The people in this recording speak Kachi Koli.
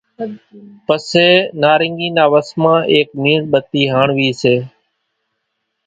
پسي نارينگي نا وس مان ايڪ ميڻ ٻتي ھاڻوي سي